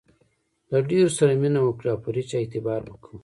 له ډېرو سره مینه وکړئ، او پر هيچا اعتبار مه کوئ!